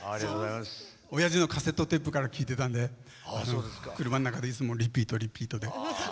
おやじのカセットテープから聴いてたんで、車の中でいつもリピート、リピートで。